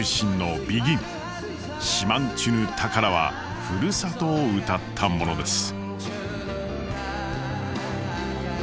「島人ぬ宝」はふるさとを歌ったものです。